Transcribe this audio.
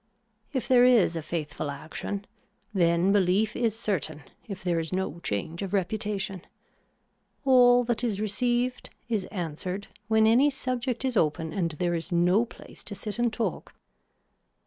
If there is a faithful action then belief is certain if there is no change of reputation. All that is received is answered when any subject is open and there is no place to sit and talk.